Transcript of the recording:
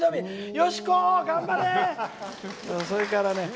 よしこ、頑張れ！